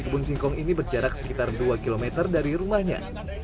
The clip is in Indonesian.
kebun singkong ini berjarak sekitar dua km dari rumahnya